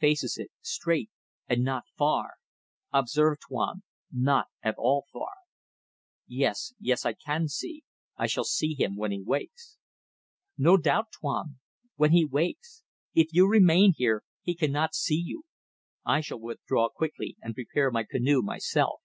Faces it straight and not far. Observe, Tuan, not at all far." "Yes, yes; I can see. I shall see him when he wakes." "No doubt, Tuan. When he wakes. ... If you remain here he can not see you. I shall withdraw quickly and prepare my canoe myself.